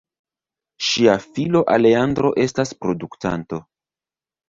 Ŝia filo Alejandro estas produktanto.